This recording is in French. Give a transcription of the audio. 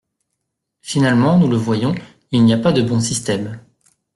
Finalement, nous le voyons, il n’y a pas de bon système.